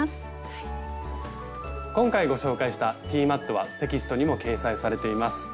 今回ご紹介した「ティーマット」はテキストにも掲載されています。